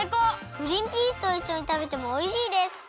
グリンピースといっしょにたべてもおいしいです！